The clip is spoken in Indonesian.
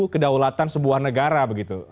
kedaulatan sebuah negara begitu